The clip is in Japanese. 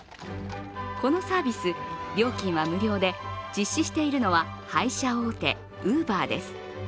このサービス、料金は無料で、実施しているのは配車大手、ウーバーです。